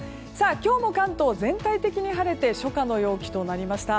今日も関東、全体的に晴れて初夏の陽気となりました。